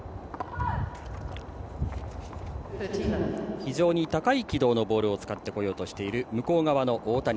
非常に高い軌道のボールを使ってこようとしている向こう側の大谷。